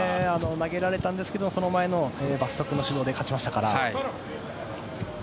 投げられたんですがその前の罰則の指導で勝ちましたから。